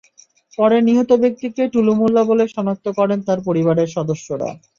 পরে নিহত ব্যক্তিকে টুলু মোল্লা বলে শনাক্ত করেন তাঁর পরিবারের সদস্যরা।